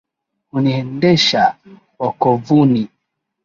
Huniendesha wokovuni.